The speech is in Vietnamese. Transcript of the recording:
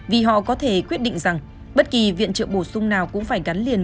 vì họ có thể quyết định rằng bất kỳ viện trợ bổ sung nào cũng phải gắn liền